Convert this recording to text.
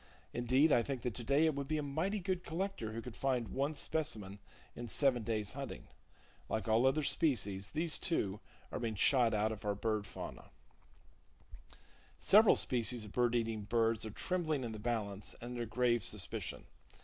Indeed, I think that today it would be a mighty good collector who could find one specimen in seven days' hunting. Like all other species, these, too, are being shot out of our bird fauna. Several species of bird eating birds are trembling in the balance, and under grave suspicion.